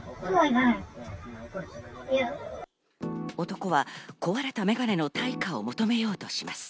男は壊れた眼鏡の対価を求めようとします。